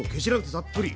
たっぷり。